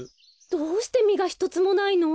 どうしてみがひとつもないの？